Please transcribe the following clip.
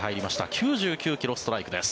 ９９ｋｍ、ストライクです。